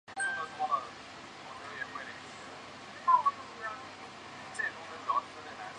港内的被列为。